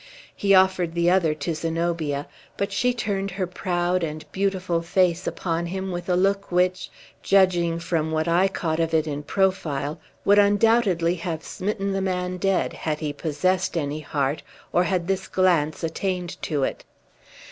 He offered the other to Zenobia; but she turned her proud and beautiful face upon him with a look which judging from what I caught of it in profile would undoubtedly have smitten the man dead, had he possessed any heart, or had this glance attained to it.